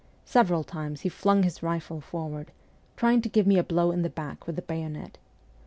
Several times he flung his rifle forward, trying to give me a blow in the back with the bayonet.